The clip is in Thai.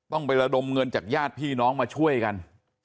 ต้องไประดมเงินจากญาติพี่น้องมาช่วยกัน